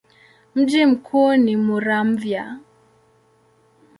Mji mkuu ni Muramvya.